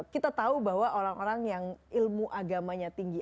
kita tahu bahwa orang orang yang ilmu agamanya tinggi